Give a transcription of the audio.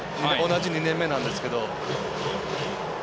同じ２年目なんですけど。